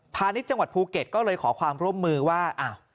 ณิชย์จังหวัดภูเก็ตก็เลยขอความร่วมมือว่า